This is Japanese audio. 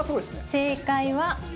正解は。